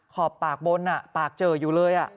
ขอบปากบนปากเจออยู่เลย